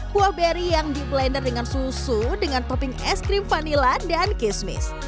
buah berry yang di blender dengan susu dengan topping es krim vanila dan kismis